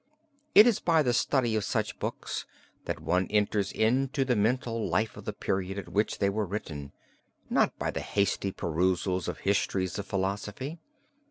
It is by the study of such books that one enters into the mental life of the period at which they were written; not by the hasty perusal of histories of philosophy.